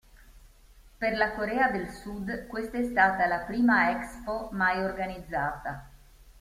Per la Corea del Sud questa è stata la prima Expo mai organizzata.